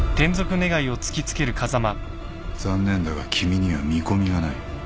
残念だが君には見込みがない。